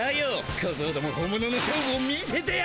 こぞうども本物の勝負を見せてやる！